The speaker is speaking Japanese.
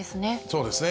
そうですね。